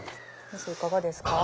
先生いかがですか？